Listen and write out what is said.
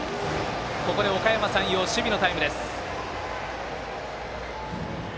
ここでおかやま山陽守備のタイムです。